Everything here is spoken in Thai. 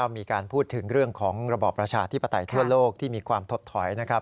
มีการพูดถึงเรื่องของระบอบประชาธิปไตยทั่วโลกที่มีความถดถอยนะครับ